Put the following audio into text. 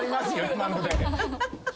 今ので。